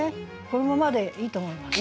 このままでいいと思います。